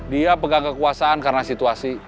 dia pegang kekuasaan karena situasi